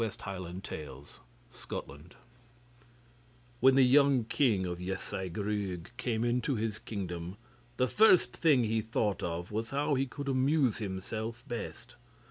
The King of the Waterfalls When the young king of Easaidh Ruadh came into his kingdom, the first thing he thought of was how he could amuse himself best.